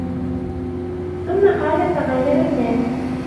ثُمَّ قَالَ تَغَيَّرَ النَّاسُ